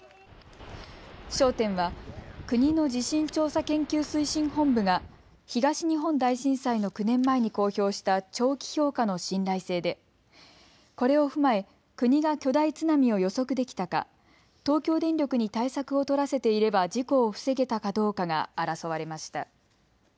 焦点は国の地震調査研究推進本部が東日本大震災の９年前に公表した長期評価の信頼性でこれを踏まえ国が巨大津波を予測できたか、東京電力に対策を取らせていれば事故を防げたかどうかが争われました。